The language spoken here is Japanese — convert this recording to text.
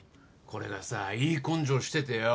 これがさいい根性しててよ。